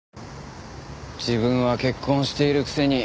自分は結婚しているくせに。